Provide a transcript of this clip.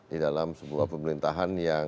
di dalam sebuah pemerintahan yang